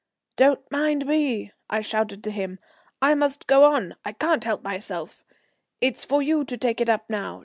"Don't mind me," I shouted to him. "I must go on, I can't help myself. It's for you to take it up now.